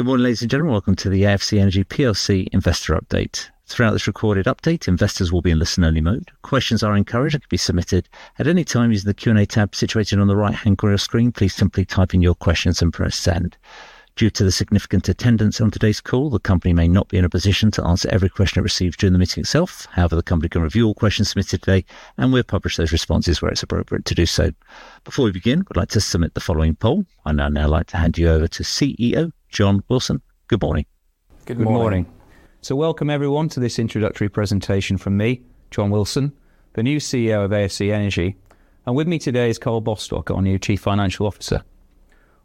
Good morning, ladies and gentlemen. Welcome to the AFC Energy Investor Update. Throughout this recorded update, investors will be in listen-only mode. Questions are encouraged and can be submitted at any time ing the Q&A tab situated on the right-hand corner of your screen. Please simply type in your questions and press send. Due to the significant attendance on today's call, the company may not be in a position to answer every question it receives during the meeting itself. However, the company can review all questions submitted today, and we'll publish those responses where it's appropriate to do so. Before we begin, we'd like to submit the following poll. I'd now like to hand you over to CEO John Wilson. Good morning. [Good morning.] Good morning. Welcome, everyone, to this introductory presentation from me, John Wilson, the new CEO of AFC Energy. With me today is Karl Bostock, our new Chief Financial Officer.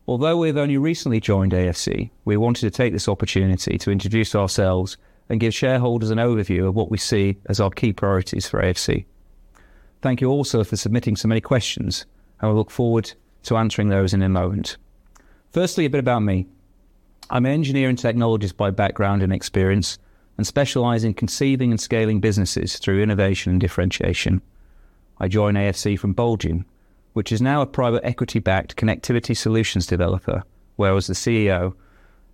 Although we've only recently joined AFC, we wanted to take this opportunity to introduce ourselves and give shareholders an overview of what we see as our key priorities for AFC. Thank you also for submitting so many questions, and we'll look forward to answering those in a moment. Firstly, a bit about me. I'm an engineer and technologist by background and experience, and specialize in conceiving and scaling businesses through innovation and differentiation. I joined AFC from Bulgin, which is now a private equity-backed connectivity solutions developer, where I was the CEO,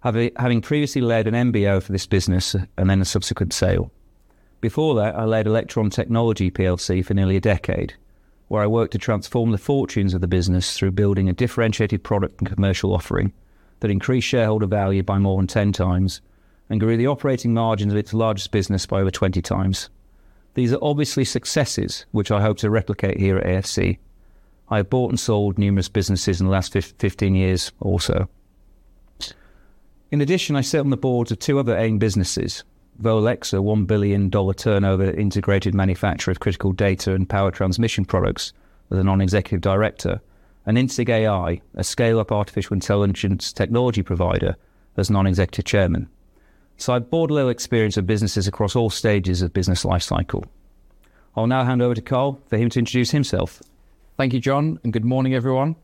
having previously led an MBO for this business and then a subsequent sale. Before that, I led Elektron Technology PLC for nearly a decade, where I worked to transform the fortunes of the business through building a differentiated product and commercial offering that increased shareholder value by more than 10 times and grew the operating margins of its largest business by over 20 times. These are obviously successes, which I hope to replicate here at AFC. I have bought and sold numerous businesses in the last 15 years or so. In addition, I sit on the boards of two other AIM businesses: Volex, a $1 billion turnover integrated manufacturer of critical data and power transmission products as a non-executive director, and InsigAI, a scale-up artificial intelligence technology provider as a non-executive chairman. I have broad little experience of businesses across all stages of business life cycle. I'll now hand over to Karl for him to introduce himself. Thank you, John, and good morning, everyone.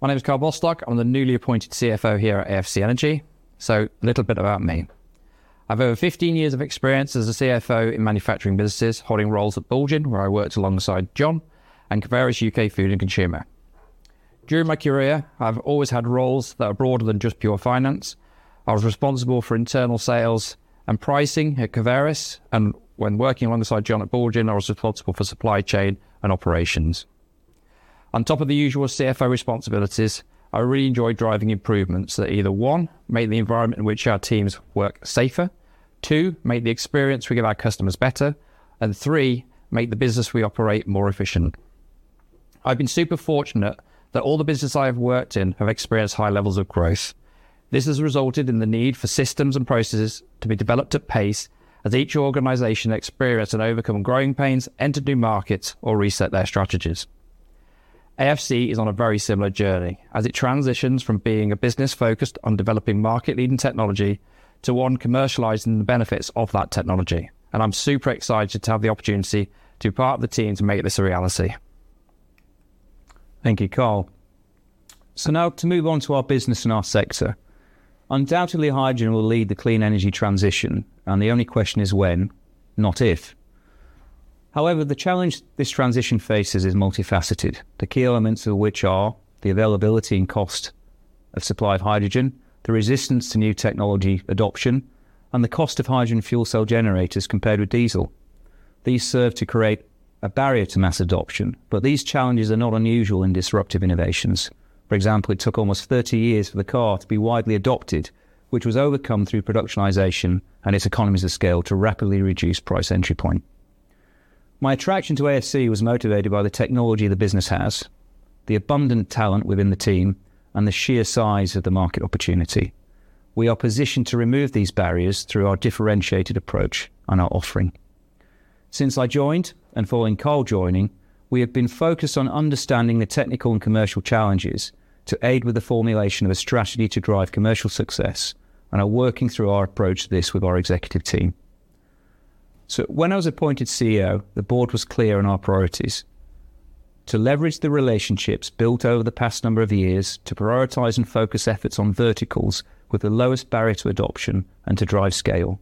My name is Karl Bostock. I'm the newly appointed CFO here at AFC Energy. A little bit about me. I've over 15 years of experience as a CFO in manufacturing businesses, holding roles at Bulgin, where I worked alongside John, and Coveris UK Food and Consumer. During my career, I've always had roles that are broader than just pure finance. I was responsible for internal sales and pricing at Coveris, and when working alongside John at Bulgin, I was responsible for supply chain and operations. On top of the usual CFO responsibilities, I really enjoyed driving improvements that either, one, made the environment in which our teams work safer, two, made the experience we give our customers better, and three, made the business we operate more efficient. I've been super fortunate that all the businesses I have worked in have experienced high levels of growth. This has resulted in the need for systems and processes to be developed at pace as each organization experiences and overcomes growing pains to enter new markets or reset their strategies. AFC is on a very similar journey as it transitions from being a business focused on developing market-leading technology to one commercializing the benefits of that technology. I'm super excited to have the opportunity to be part of the team to make this a reality. Thank you, Karl. Now to move on to our business and our sector. Undoubtedly, hydrogen will lead the clean energy transition, and the only question is when, not if. However, the challenge this transition faces is multifaceted, the key elements of which are the availability and cost of supply of hydrogen, the resistance to new technology adoption, and the cost of hydrogen fuel cell generators compared with diesel. These serve to create a barrier to mass adoption, but these challenges are not unusual in disruptive innovations. For example, it took almost 30 years for the car to be widely adopted, which was overcome through productionization and its economies of scale to rapidly reduce price entry point. My attraction to AFC was motivated by the technology the business has, the abundant talent within the team, and the sheer size of the market opportunity. We are positioned to remove these barriers through our differentiated approach and our offering. Since I joined and following Karl joining, we have been focused on understanding the technical and commercial challenges to aid with the formulation of a strategy to drive commercial success, and are working through our approach to this with our executive team. When I was appointed CEO, the board was clear on our priorities: to leverage the relationships built over the past number of years to prioritize and focus efforts on verticals with the lowest barrier to adoption and to drive scale.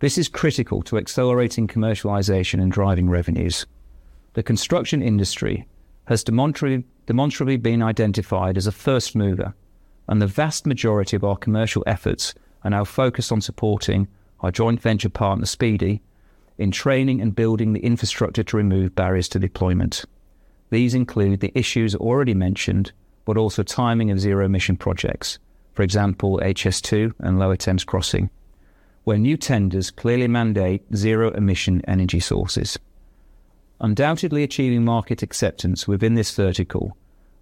This is critical to accelerating commercialization and driving revenues. The construction industry has demonstrably been identified as a first mover, and the vast majority of our commercial efforts are now focused on supporting our joint venture partner, Speedy Hire, in training and building the infrastructure to remove barriers to deployment. These include the issues already mentioned, but also timing of zero-emission projects, for example, HS2 and Low-Attempt Crossing, where new tenders clearly mandate zero-emission energy sources. Undoubtedly, achieving market acceptance within this vertical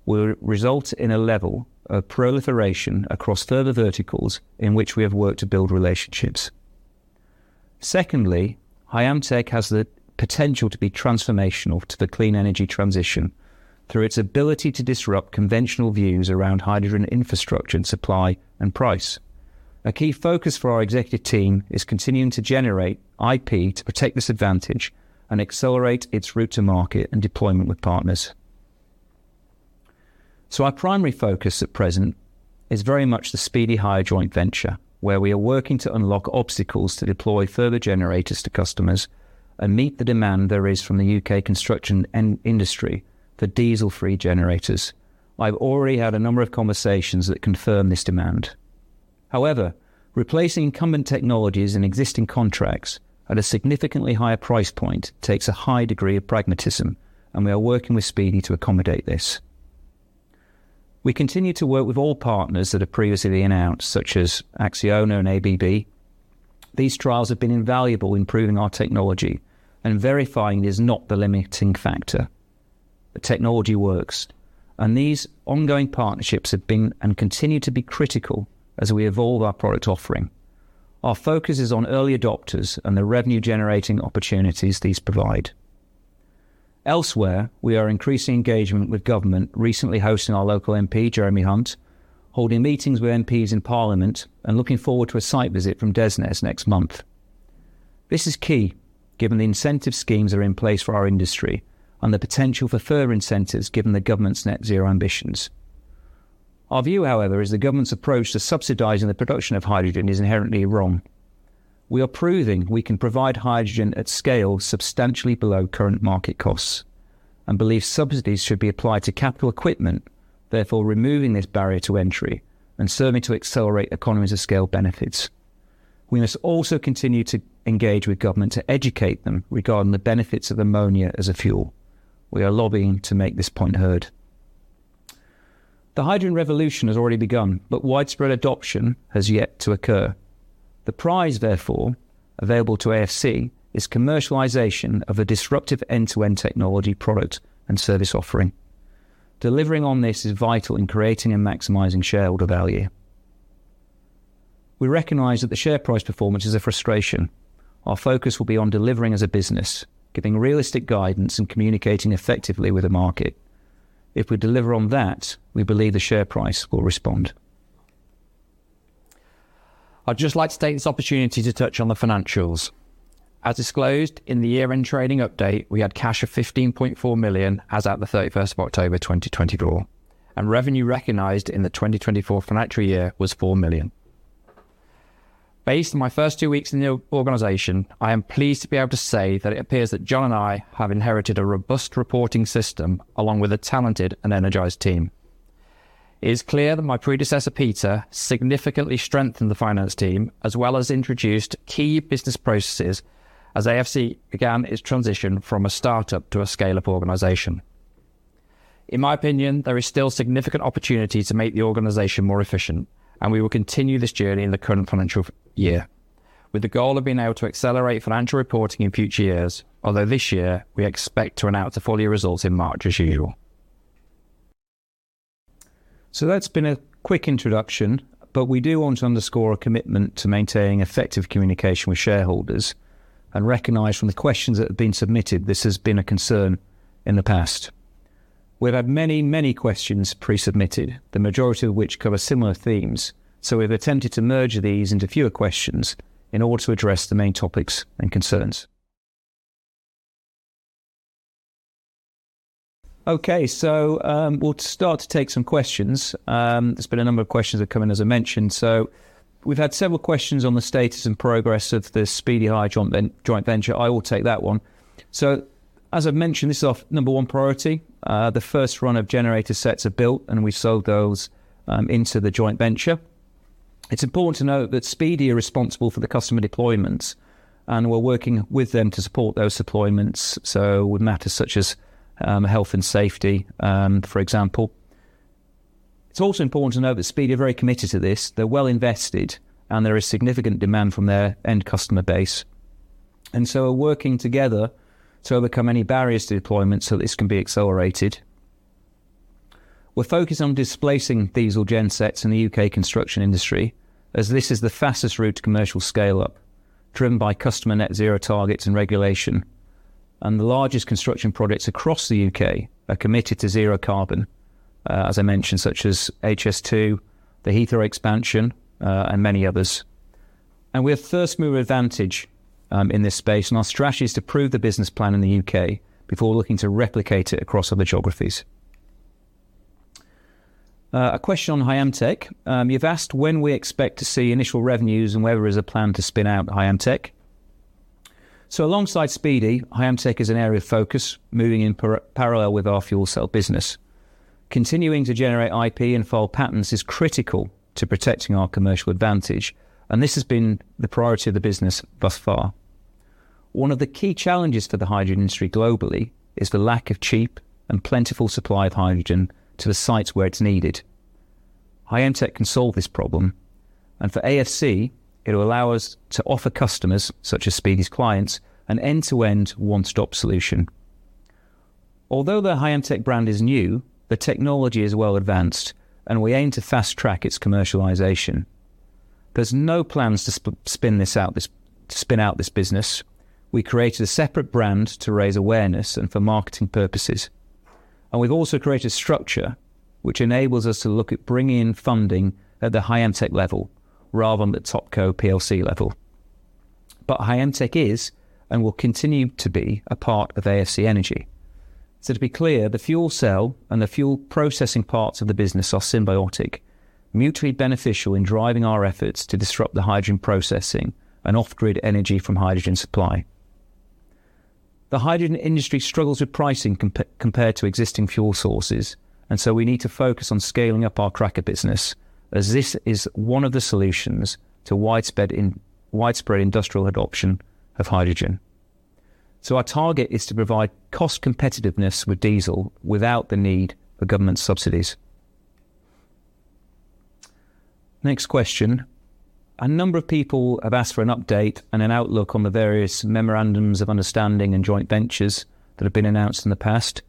will result in a level of proliferation across further verticals in which we have worked to build relationships. Secondly, Hyamtek has the potential to be transformational to the clean energy transition through its ability to disrupt conventional views around hydrogen infrastructure and supply and price. A key focus for our executive team is continuing to generate IP to protect this advantage and accelerate its route to market and deployment with partners. Our primary focus at present is very much the Speedy Hire joint venture, where we are working to unlock obstacles to deploy further generators to customers and meet the demand there is from the UK construction industry for diesel-free generators. I've already had a number of conversations that confirm this demand. However, replacing incumbent technologies in existing contracts at a significantly higher price point takes a high degree of pragmatism, and we are working with Speedy to accommodate this. We continue to work with all partners that have previously been out, such as Acciona and ABB. These trials have been invaluable in proving our technology and verifying it is not the limiting factor. The technology works, and these ongoing partnerships have been and continue to be critical as we evolve our product offering. Our focus is on early adopters and the revenue-generating opportunities these provide. Elsewhere, we are increasing engagement with government, recently hosting our local MP, Jeremy Hunt, holding meetings with MPs in Parliament, and looking forward to a site visit from DESNZ next month. This is key, given the incentive schemes that are in place for our industry and the potential for further incentives, given the government's net-zero ambitions. Our view, however, is the government's approach to subsidizing the production of hydrogen is inherently wrong. We are proving we can provide hydrogen at scale substantially below current market costs and believe subsidies should be applied to capital equipment, therefore removing this barrier to entry and serving to accelerate economies of scale benefits. We must also continue to engage with government to educate them regarding the benefits of ammonia as a fuel. We are lobbying to make this point heard. The hydrogen revolution has already begun, but widespread adoption has yet to occur. The prize, therefore, available to AFC is commercialization of a disruptive end-to-end technology product and service offering. Delivering on this is vital in creating and maximizing shareholder value. We recognize that the share price performance is a frustration. Our focus will be on delivering as a business, giving realistic guidance, and communicating effectively with the market. If we deliver on that, we believe the share price will respond. I'd just like to take this opportunity to touch on the financials. As disclosed in the year-end trading update, we had 15.4 million cash as at the 31st of October 2024, and revenue recognized in the 2024 financial year was 4 million. Based on my first two weeks in the organization, I am pleased to be able to say that it appears that John and I have inherited a robust reporting system along with a talented and energized team. It is clear that my predecessor, Peter, significantly strengthened the finance team as well as introduced key business processes as AFC Energy began its transition from a startup to a scale-up organization. In my opinion, there is still significant opportunity to make the organization more efficient, and we will continue this journey in the current financial year with the goal of being able to accelerate financial reporting in future years, although this year we expect to announce the full year results in March as usual. That has been a quick introduction, but we do want to underscore our commitment to maintaining effective communication with shareholders and recognize from the questions that have been submitted this has been a concern in the past. We've had many, many questions pre-submitted, the majority of which cover similar themes, so we've attempted to merge these into fewer questions in order to address the main topics and concerns. Okay, we will start to take some questions. There's been a number of questions that have come in, as I mentioned. We've had several questions on the status and progress of the Speedy Hire joint venture. I will take that one. As I've mentioned, this is our number one priority. The first run of generator sets are built, and we sold those into the joint venture. It's important to note that Speedy are responsible for the customer deployments, and we're working with them to support those deployments, with matters such as health and safety, for example. It's also important to note that Speedy are very committed to this. They're well invested, and there is significant demand from their end customer base. We are working together to overcome any barriers to deployment so this can be accelerated. We are focused on displacing diesel gen sets in the UK construction industry as this is the fastest route to commercial scale-up, driven by customer net-zero targets and regulation. The largest construction projects across the UK are committed to zero carbon, as I mentioned, such as HS2, the Heathrow expansion, and many others. We have first-mover advantage in this space, and our strategy is to prove the business plan in the UK before looking to replicate it across other geographies. A question on Hyamtek. You have asked when we expect to see initial revenues and whether there is a plan to spin out Hyamtek. Alongside Speedy, Hyamtek is an area of focus moving in parallel with our fuel cell business. Continuing to generate IP and file patents is critical to protecting our commercial advantage, and this has been the priority of the business thus far. One of the key challenges for the hydrogen industry globally is the lack of cheap and plentiful supply of hydrogen to the sites where it's needed. Hyamtek can solve this problem, and for AFC, it will allow us to offer customers, such as Speedy's clients, an end-to-end one-stop solution. Although the Hyamtek brand is new, the technology is well advanced, and we aim to fast-track its commercialization. There are no plans to spin this out, to spin out this business. We created a separate brand to raise awareness and for marketing purposes. We have also created a structure which enables us to look at bringing in funding at the Hyamtek level rather than the Topco PLC level. Hyamtek is and will continue to be a part of AFC Energy. To be clear, the fuel cell and the fuel processing parts of the business are symbiotic, mutually beneficial in driving our efforts to disrupt the hydrogen processing and off-grid energy from hydrogen supply. The hydrogen industry struggles with pricing compared to existing fuel sources, and we need to focus on scaling up our cracker business as this is one of the solutions to widespread industrial adoption of hydrogen. Our target is to provide cost competitiveness with diesel without the need for government subsidies. Next question. A number of people have asked for an update and an outlook on the various memorandums of understanding and joint ventures that have been announced in the past.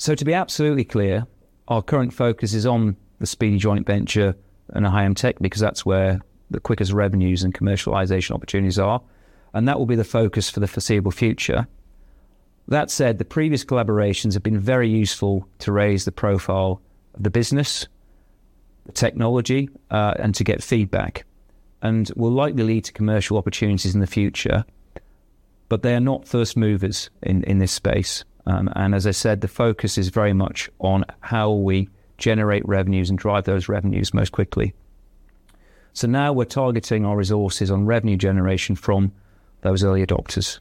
To be absolutely clear, our current focus is on the Speedy joint venture and Hyamtek because that's where the quickest revenues and commercialization opportunities are, and that will be the focus for the foreseeable future. That said, the previous collaborations have been very useful to raise the profile of the business, the technology, and to get feedback, and will likely lead to commercial opportunities in the future, but they are not first movers in this space. As I said, the focus is very much on how we generate revenues and drive those revenues most quickly. Now we're targeting our resources on revenue generation from those early adopters.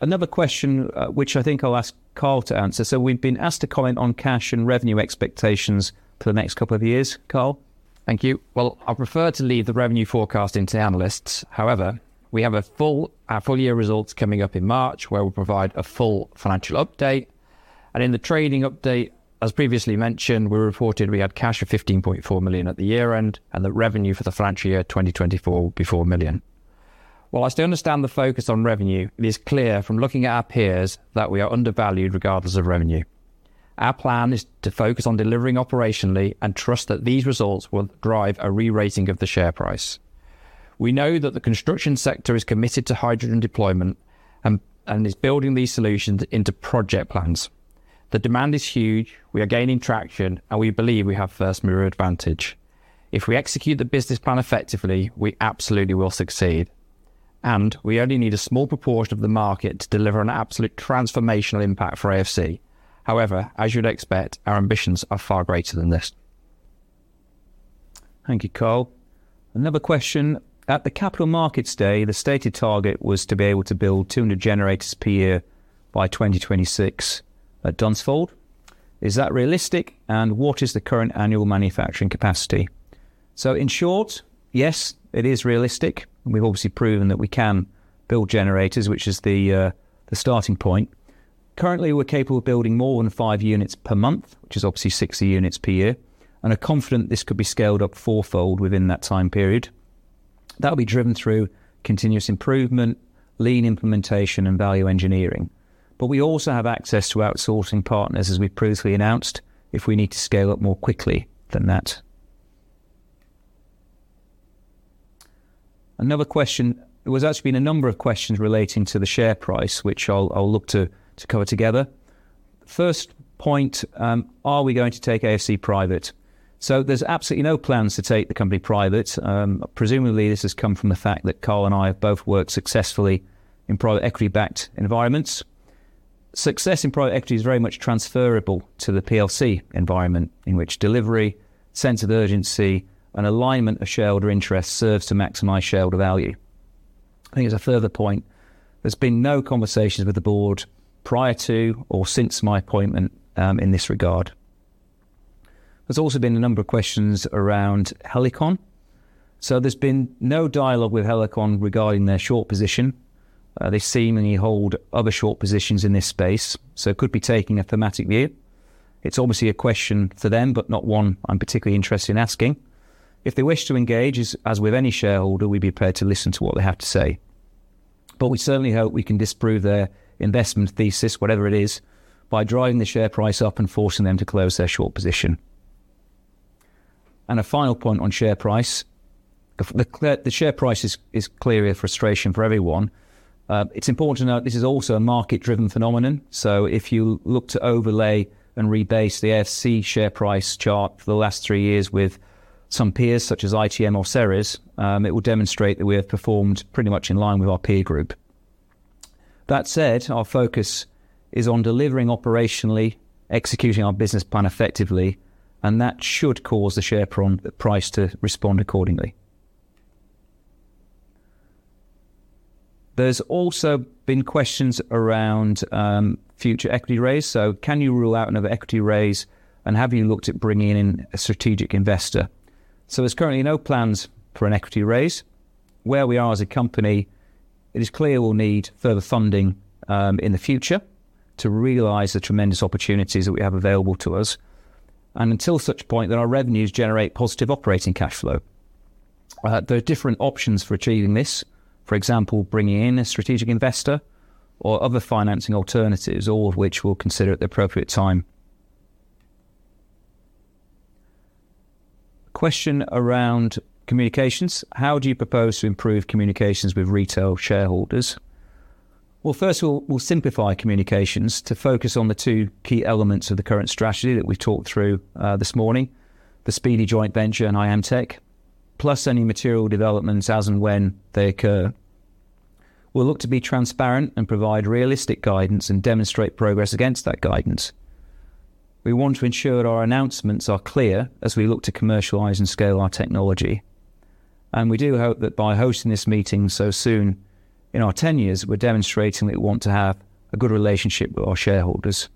Another question, which I think I'll ask Karl to answer. We've been asked to comment on cash and revenue expectations for the next couple of years, Karl. Thank you. I prefer to leave the revenue forecasting to analysts. However, we have a full year results coming up in March where we will provide a full financial update. In the trading update, as previously mentioned, we reported we had cash of 15.4 million at the year-end and the revenue for the financial year 2024 will be 4 million. While I still understand the focus on revenue, it is clear from looking at our peers that we are undervalued regardless of revenue. Our plan is to focus on delivering operationally and trust that these results will drive a re-rating of the share price. We know that the construction sector is committed to hydrogen deployment and is building these solutions into project plans. The demand is huge. We are gaining traction, and we believe we have first-mover advantage. If we execute the business plan effectively, we absolutely will succeed. We only need a small proportion of the market to deliver an absolute transformational impact for AFC. However, as you'd expect, our ambitions are far greater than this. Thank you, Karl. Another question. At the Capital Markets Day, the stated target was to be able to build 200 generators per year by 2026 at Dunsfold. Is that realistic, and what is the current annual manufacturing capacity? In short, yes, it is realistic. We've obviously proven that we can build generators, which is the starting point. Currently, we're capable of building more than five units per month, which is 60 units per year, and are confident this could be scaled up four-fold within that time period. That will be driven through continuous improvement, lean implementation, and value engineering. We also have access to outsourcing partners, as we've previously announced, if we need to scale up more quickly than that. Another question. There has actually been a number of questions relating to the share price, which I'll look to cover together. First point, are we going to take AFC private? There's absolutely no plans to take the company private. Presumably, this has come from the fact that Karl and I have both worked successfully in private equity-backed environments. Success in private equity is very much transferable to the PLC environment in which delivery, sense of urgency, and alignment of shareholder interest serve to maximize shareholder value. I think as a further point, there's been no conversations with the board prior to or since my appointment in this regard. There's also been a number of questions around Helikon. There's been no dialogue with Helikon regarding their short position. They seemingly hold other short positions in this space, so it could be taking a thematic view. It's obviously a question for them, but not one I'm particularly interested in asking. If they wish to engage, as with any shareholder, we'd be prepared to listen to what they have to say. We certainly hope we can disprove their investment thesis, whatever it is, by driving the share price up and forcing them to close their short position. A final point on share price. The share price is clearly a frustration for everyone. It's important to note this is also a market-driven phenomenon. If you look to overlay and rebase the AFC share price chart for the last three years with some peers such as ITM or Ceres, it will demonstrate that we have performed pretty much in line with our peer group. That said, our focus is on delivering operationally, executing our business plan effectively, and that should cause the share price to respond accordingly. There's also been questions around future equity raise. Can you rule out another equity raise, and have you looked at bringing in a strategic investor? There are currently no plans for an equity raise. Where we are as a company, it is clear we'll need further funding in the future to realize the tremendous opportunities that we have available to us. Until such point that our revenues generate positive operating cash flow, there are different options for achieving this, for example, bringing in a strategic investor or other financing alternatives, all of which we'll consider at the appropriate time. Question around communications. How do you propose to improve communications with retail shareholders? First, we'll simplify communications to focus on the two key elements of the current strategy that we've talked through this morning, the Speedy joint venture and Hyamtek, plus any material developments as and when they occur. We'll look to be transparent and provide realistic guidance and demonstrate progress against that guidance. We want to ensure our announcements are clear as we look to commercialize and scale our technology. We do hope that by hosting this meeting so soon in our 10 years, we're demonstrating that we want to have a good relationship with our shareholders.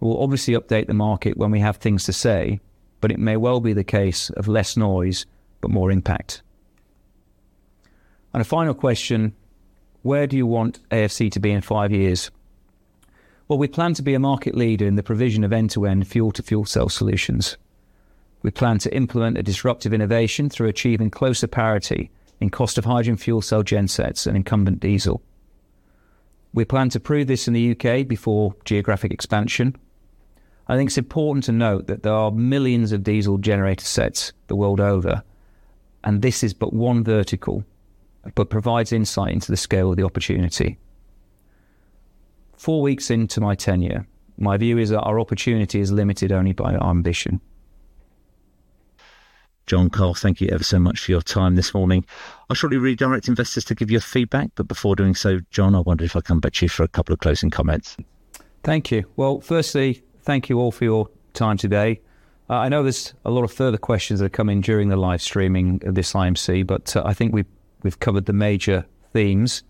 We'll obviously update the market when we have things to say, but it may well be the case of less noise but more impact. A final question. Where do you want AFC Energy to be in five years? We plan to be a market leader in the provision of end-to-end fuel-to-fuel cell solutions. We plan to implement a disruptive innovation through achieving closer parity in cost of hydrogen fuel cell gen sets and incumbent diesel. We plan to prove this in the UK before geographic expansion. I think it's important to note that there are millions of diesel generator sets the world over, and this is but one vertical, but provides insight into the scale of the opportunity. Four weeks into my tenure, my view is that our opportunity is limited only by our ambition. John, Karl, thank you ever so much for your time this morning. I'll shortly redirect investors to give you feedback, but before doing so, John, I wonder if I can get you for a couple of closing comments. Thank you. Firstly, thank you all for your time today. I know there's a lot of further questions that have come in during the live streaming of this IMC, but I think we've covered the major themes.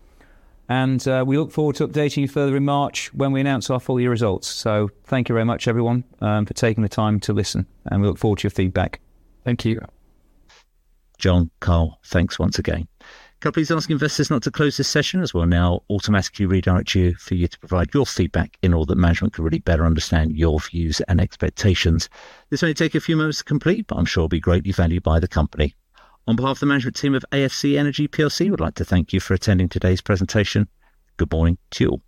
We look forward to updating you further in March when we announce our full year results. Thank you very much, everyone, for taking the time to listen, and we look forward to your feedback. Thank you. John, Karl, thanks once again. Could I please ask investors not to close this session as we will now automatically redirect you for you to provide your feedback in order that management can really better understand your views and expectations? This may take a few moments to complete, but I am sure it will be greatly valued by the company. On behalf of the management team of AFC Energy, we would like to thank you for attending today's presentation. Good morning to you all.